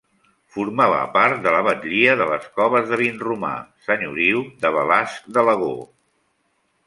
Formava part de la batlia de Les Coves de Vinromà, senyoriu de Balasc d'Alagó.